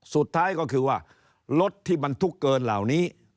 สุดท้ายก็คือว่ารถที่บรรทุกเกินเหล่านี้